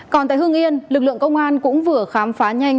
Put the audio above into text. còn tại hương yên lực lượng công an cũng vừa khám phá nhanh